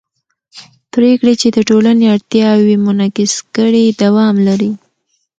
پرېکړې چې د ټولنې اړتیاوې منعکس کړي دوام لري